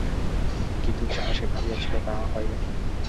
কিন্তু যাহা সে ভাবিয়াছিল তাহা হয় নাই।